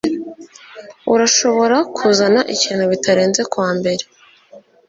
Urashobora kuzana ikintu bitarenze kuwa mbere?